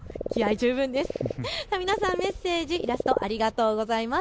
皆さんメッセージ、イラスト、ありがとうございます。